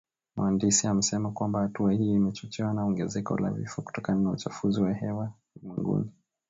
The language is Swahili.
Mhandisi amesema kwamba hatua hiyo imechochewa na ongezeko la vifo kutokana na uchafuzi wa hewa ulimwenguni